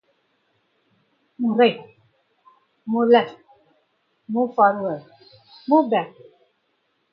It is affiliated with Saint Stephens Church in Twickenham and regularly hold events there.